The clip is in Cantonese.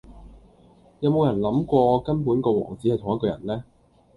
有冇人諗過根本個王子系同一個人呢?